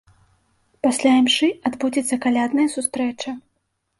Пасля імшы адбудзецца калядная сустрэча.